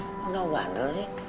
emang gak waduh sih